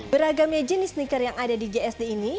beragamnya jenis sneaker yang ada di gsd ini